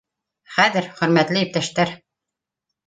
Хәҙер, хөрмәтле иптәштәр